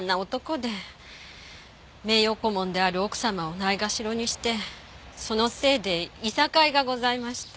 名誉顧問である奥様をないがしろにしてそのせいで諍いがございました。